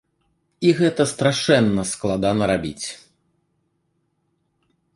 І гэта страшэнна складана рабіць.